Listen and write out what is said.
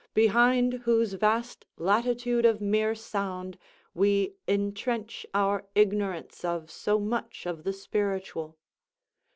behind whose vast latitude of mere sound we intrench our ignorance of so much of the spiritual.